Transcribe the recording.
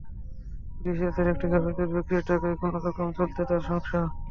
বিদেশি জাতের একটি গাভির দুধ বিক্রির টাকায় কোনো রকমে চলত তাঁর সংসার।